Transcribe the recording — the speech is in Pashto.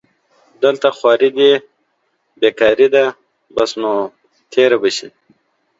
دلته خواري دې بېکاري ده بس نو تېره به شي